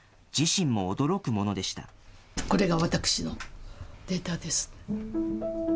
これが私のデータです。